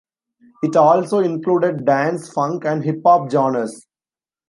It also included dance, funk, and hip hop genres.